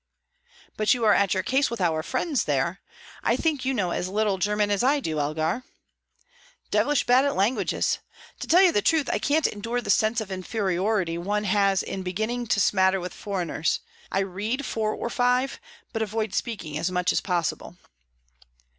'" "But you are at your ease with our friends there. I think you know as little German as I do, Elgar?" "Devilish bad at languages! To tell you the truth, I can't endure the sense of inferiority one has in beginning to smatter with foreigners. I read four or five, but avoid speaking as much as possible."